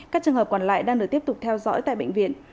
các trường hợp còn lại đang được tiếp tục theo dõi tại bệnh viện